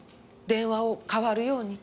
電話を代わるように。